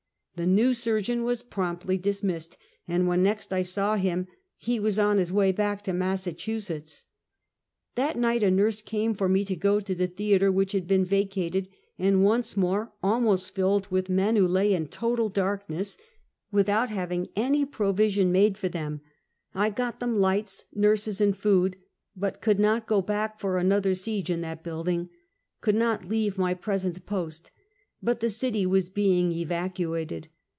The new surgeon was promptly dismissed, and when next I saw him he was on his way back to Massachu setts. That night a nurse came for me to go to the theater which had been vacated, and once more almost filled with men who lay in total darkness, without having 342 Half a Centuet. any provision made for tliem. I got them lights, nurses and food, but could not go back for another siege in that building — could not leave mj present post, but the city was being evacuated.